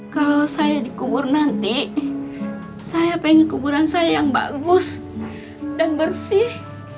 kalau saya dikubur nanti saya pengen kuburan saya yang bagus dan bersih